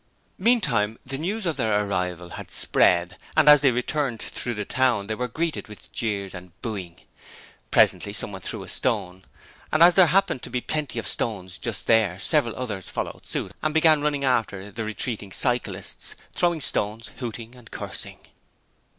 Meantime the news of their arrival had spread, and as they returned through the town they were greeted with jeers and booing. Presently someone threw a stone, and as there happened to be plenty of stones just there several others followed suit and began running after the retreating cyclists, throwing stones, hooting and cursing.